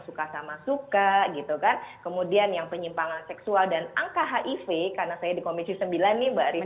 suka sama suka gitu kan kemudian yang penyimpangan seksual dan angka hiv karena saya di komisi sembilan nih mbak rifana